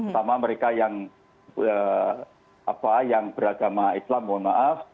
sama mereka yang beragama islam